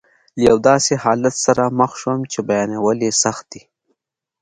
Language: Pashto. له یو داسې حالت سره مخ شوم چې بیانول یې سخت دي.